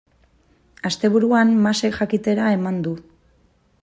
Asteburuan Masek jakitera eman du.